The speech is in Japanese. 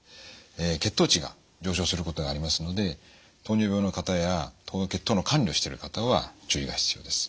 血糖値が上昇することがありますので糖尿病の方や血糖の管理をしている方は注意が必要です。